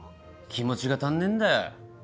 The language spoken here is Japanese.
気持ちが足んねえんだよ。